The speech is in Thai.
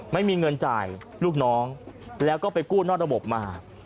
ไม่มีเงินจ่ายลูกน้องแล้วก็ไปกู้นอกระบบมา